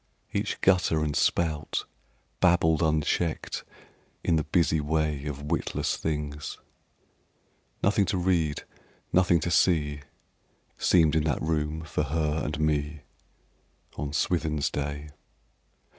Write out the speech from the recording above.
Each gutter and spout Babbled unchecked in the busy way Of witless things: Nothing to read, nothing to see Seemed in that room for her and me On SwithinŌĆÖs day.